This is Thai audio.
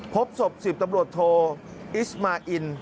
พบศพ๑๐ตำรวจโทอิสมาอิน